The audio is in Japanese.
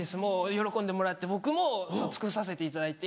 喜んでもらって僕も尽くさせていただいて。